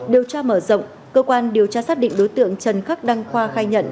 điều tra mở rộng cơ quan điều tra xác định đối tượng trần khắc đăng khoa khai nhận